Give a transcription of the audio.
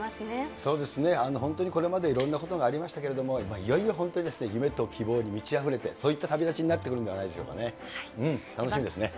そうですね、本当にこれまで、いろんなことがありましたけれども、いよいよ本当に夢と希望に満ちあふれて、そういった旅立ちになってくるのではないでしょうかね。